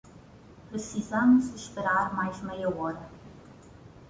Precisamos esperar mais meia hora.